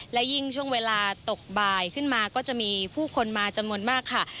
และยิ่งช่วงเวลาตกบ่ายขึ้นมาก็จะมีผู้คนมาจำนวนมากค่ะ